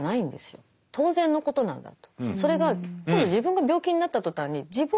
当然のことなんだと。